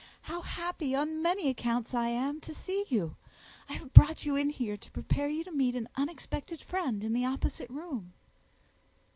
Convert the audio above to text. how happy, on many accounts, I am to see you! I have brought you in here, to prepare you to meet an unexpected friend in the opposite room."